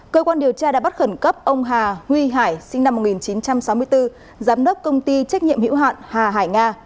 cơ quan điều tra đã bắt khẩn cấp ông hà huy hải sinh năm một nghìn chín trăm sáu mươi bốn giám đốc công ty trách nhiệm hữu hạn hà hải nga